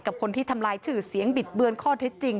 กับคนที่ทำลายชื่อเสียงบิดเบือนข้อเท็จจริง